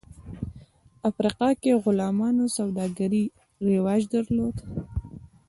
افریقا کې غلامانو سوداګري رواج درلود.